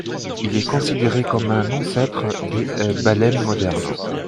Il est considéré comme un ancêtre des baleines modernes.